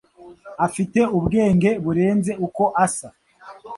Afite ubwenge burenze uko asa.